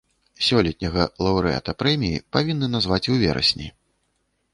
Сёлетняга лаўрэата прэміі павінны назваць у верасні.